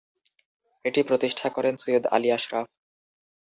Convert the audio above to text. এটি প্রতিষ্ঠা করেন সৈয়দ আলী আশরাফ।